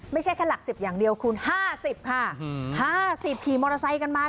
ไม่ใช่แค่หลัก๑๐อย่างเดียวคูณ๕๐ค่ะ๕๐ขี่มอเตอร์ไซค์กันมา